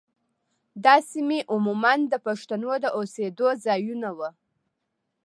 دا سیمې عموماً د پښتنو د اوسېدو ځايونه وو.